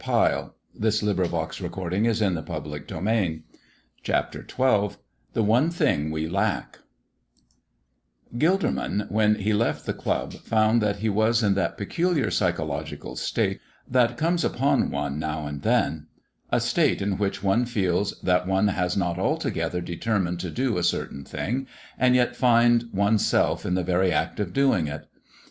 Then the waiter came, bringing the cocktail that he had ordered. XII THE ONE THING WE LACK GILDERMAN, when he left the club, found that he was in that peculiar psychological state that comes upon one now and then a state in which one feels that one has not altogether determined to do a certain thing and yet finds one's self in the very act of doing it.